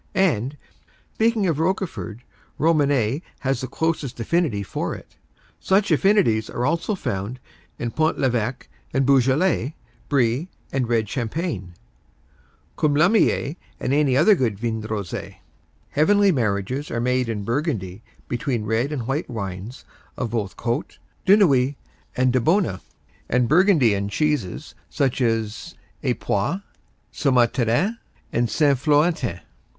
And, speaking of Roquefort, Romanée has the closest affinity for it. Such affinities are also found in Pont l'Evêque and Beaujolais, Brie and red champagne, Coulommiers and any good vin rosé. Heavenly marriages are made in Burgundy between red and white wines of both Côtes, de Nuits and de Baune, and Burgundian cheeses such as Epoisses, Soumaintarin and Saint Florentin.